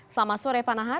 selamat sore pak nahar